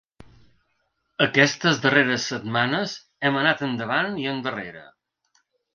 Aquestes darreres setmanes hem anat endavant i endarrere.